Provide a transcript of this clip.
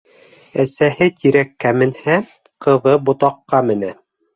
Әсәһе тирәккә менһә, ҡыҙы ботаҡҡа менә.